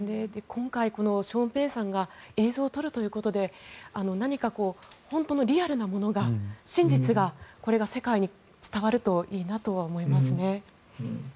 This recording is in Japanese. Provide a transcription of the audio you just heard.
今回このショーン・ペンさんが映像を撮るということで何か本当のリアルなものが真実がこれが世界に伝わるといいなとは思いますね。